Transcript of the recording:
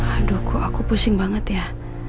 aduh kok aku pusing banget ya